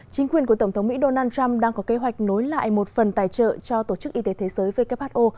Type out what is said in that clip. chính quyền của tổng thống mỹ donald trump đang có kế hoạch nối lại một phần tài trợ cho tổ chức y tế thế giới who